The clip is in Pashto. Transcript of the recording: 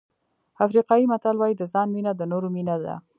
افریقایي متل وایي د ځان مینه د نورو مینه ده.